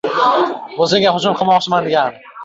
Echki shunday deb javob beribdi: